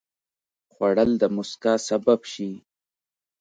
خوړل د مسکا سبب شي